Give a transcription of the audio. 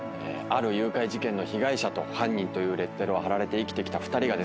誘拐事件の被害者と犯人というレッテルを貼られて生きてきた２人がですね